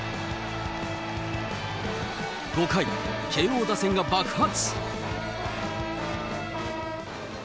５回、慶応打線が爆発。